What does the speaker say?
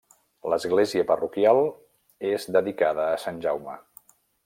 L'església parroquial és dedicada a Sant Jaume.